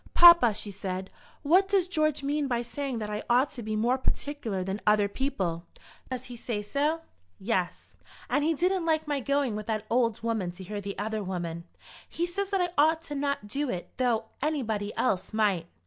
"Papa," she said, "what does George mean by saying that I ought to be more particular than other people?" "Does he say so?" "Yes; and he didn't like my going with that old woman to hear the other women. He says that I ought not to do it though anybody else might."